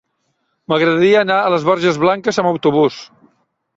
M'agradaria anar a les Borges Blanques amb autobús.